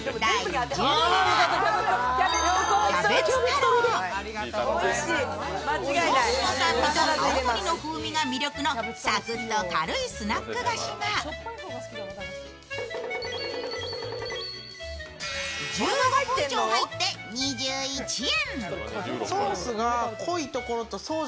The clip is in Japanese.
ソースの酸味と青のりの風味が魅力のサクッと軽いスナック菓子が１５個以上入って２１円。